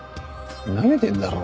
なめてんだろ？